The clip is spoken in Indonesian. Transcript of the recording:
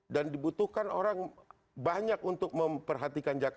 dan dibutuhkan orang banyak untuk memperhatikan jakarta